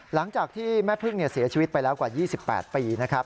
หลังจากที่แม่พึ่งเสียชีวิตไปแล้วกว่า๒๘ปีนะครับ